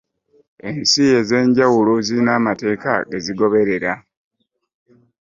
Ensi ez'enjawulo zirina amateeka ge zigoberera.